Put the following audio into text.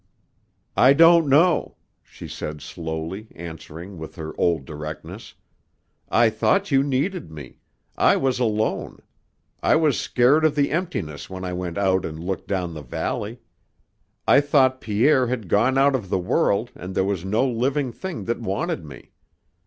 "I don't know," she said slowly, answering with her old directness. "I thought you needed me. I was alone. I was scared of the emptiness when I went out and looked down the valley. I thought Pierre had gone out of the world and there was no living thing that wanted me.